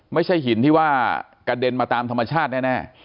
ไม่ใช่หินที่ว่ากระเด็นมาตามธรรมชาติแน่